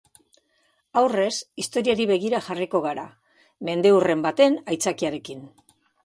Aurrez, historiari begira jarriko gara, mendeurren baten aitzakiarekin.